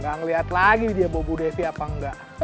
gak ngeliat lagi dia bawa bu devi apa enggak